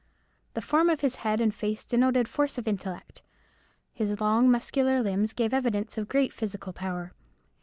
The form of his head and face denoted force of intellect. His long, muscular limbs gave evidence of great physical power.